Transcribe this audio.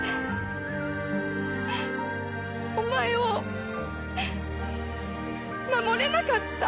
お前を守れなかった。